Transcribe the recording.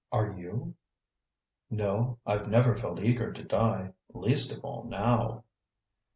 Are you?" "No, I've never felt eager to die; least of all, now."